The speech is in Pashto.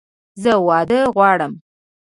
زه واده غواړم!